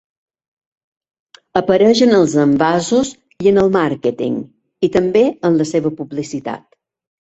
Apareix en els envasos i en el màrqueting, i també en la seva publicitat.